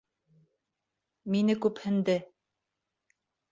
Мине күпһенде.